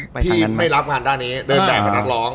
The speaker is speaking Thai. พี่ไม่รับงานด้านนี้เดินแบบเป็นนักร้อง